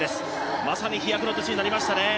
まさに飛躍の年になりましたね。